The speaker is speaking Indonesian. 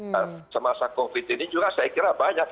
nah semasa covid ini juga saya kira banyak